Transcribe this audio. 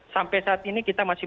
sampai saat ini kita masih